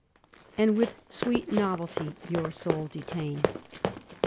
'' And with sweet novelty your soul detain."